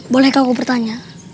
bolehkah aku bertanya